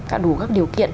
cả đủ các điều kiện